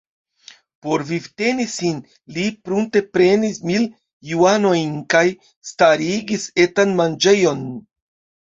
Por vivteni sin li prunte prenis mil juanojn kaj starigis etan manĝejon.